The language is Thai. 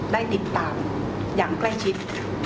ได้ติดตามอย่างใกล้ชิด